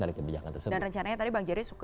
dari kebijakan tersebut dan rencananya tadi bang jerry